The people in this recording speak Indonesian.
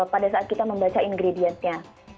pada saat kita membaca ingredientnya